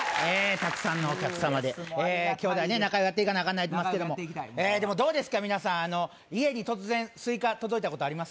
たくさんのお客様で兄弟仲ようやっていかなアカンな言うてますけどもでもどうですか皆さん家に突然スイカ届いたことあります？